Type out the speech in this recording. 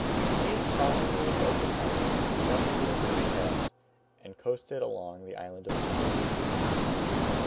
Aeneas, following the advice of Helenus, shunned the dangerous pass and coasted along the island of Sicily.